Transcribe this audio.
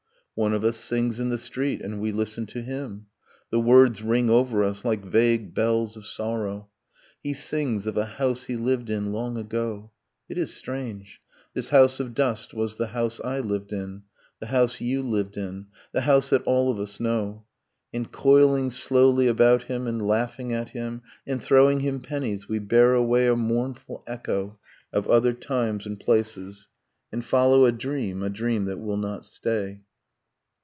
One of us sings in the street, and we listen to him; The words ring over us like vague bells of sorrow. He sings of a house he lived in long ago. It is strange; this house of dust was the house I lived in; The house you lived in, the house that all of us know. And coiling slowly about him, and laughing at him, And throwing him pennies, we bear away A mournful echo of other times and places, And follow a dream ... a dream that will not stay.